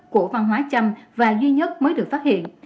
của văn hóa trăm và duy nhất mới được phát hiện